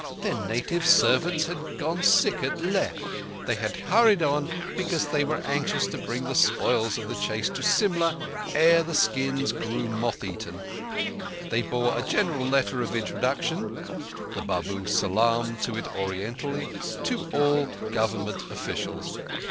Their native servants had gone sick at Leh. They had hurried on because they were anxious to bring the spoils of the chase to Simla ere the skins grew moth eaten. They bore a general letter of introduction (the Babu salaamed to it orientally) to all Government officials.